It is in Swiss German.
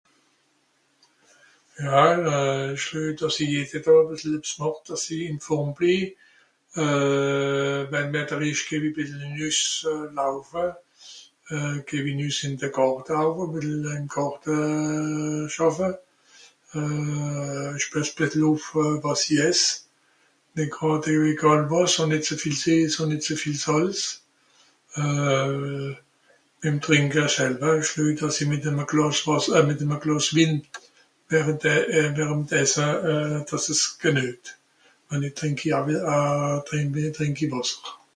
Ja, ìch luej dàss i jede Dàà e bìssel ebbs màch dàss i ìn Form blii. Euh wenn (...) geh-w-i bìssel nüss laufe. Euh geh-w-i nüss ìn de Gàrte au, e bìssel ìm Gàrte schàffe. Euh ìch pàss bìssel ùff wàs i ess. (...) nìt ze viel sìes ùn nìt ze viel Sàlz. Euh... ìm Trìnke s selwe ìch luej dàss i mìt eme Glàs Wàss euh mìt eme Glàss Win während... während'm Esse dàss es genuegt. Ùn noh trìnk a w... a... trìnk i... trìnk i Wàsser.